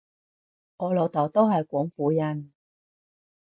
我老豆都係廣府人